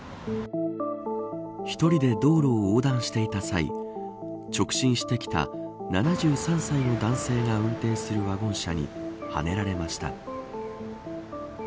１人で道路を横断していた際直進してきた７３歳の男性が運転するワゴン車に、はねられました。